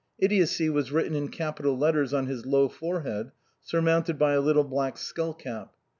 Idiocy was written in capital letters on his low forehead, surmounted by a little black skull cap.